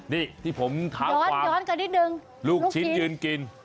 นี่ที่ผมขาวขวางลูกชิ้นยืนกิน